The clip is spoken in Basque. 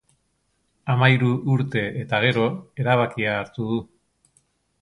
Hamairu urte eta gero, erabakia hartu du.